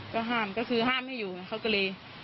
ก็ห้ามก็คือห้ามไม่อยู่ไงเขาก็เลย